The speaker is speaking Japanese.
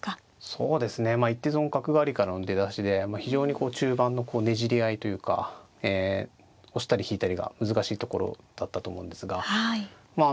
そうですね一手損角換わりからの出だしで非常にこう中盤のねじり合いというかえ押したり引いたりが難しいところだったと思うんですがまあ